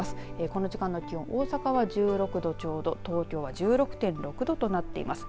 この時間、大阪は１６度ちょうど東京は１６．６度となっています。